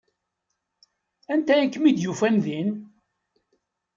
Anta i kem-id-yufan din?